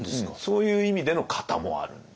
そういう意味での型もあるんで。